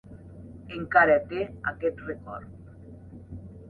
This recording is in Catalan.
Encara té aquest rècord.